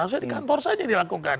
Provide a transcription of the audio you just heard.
harusnya di kantor saja dilakukan